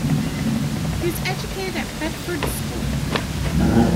He was educated at Bedford School.